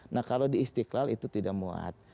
nah kalau di isti klal itu tidak muat